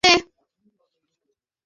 তিনি তখন কলেজ থেকে বেতন নিতেন না।